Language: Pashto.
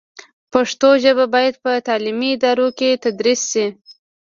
پښتو ژبه باید په تعلیمي ادارو کې تدریس شي.